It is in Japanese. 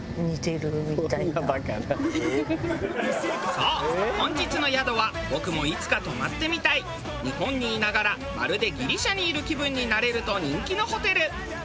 そう本日の宿は僕もいつか泊まってみたい日本にいながらまるでギリシャにいる気分になれると人気のホテル。